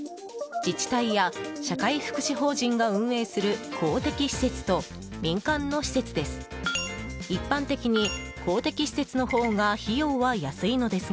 自治体や社会福祉法人が運営する公的施設と民間の施設です。